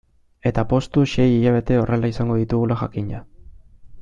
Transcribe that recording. Eta poztu sei hilabete horrela izango ditugula jakinda.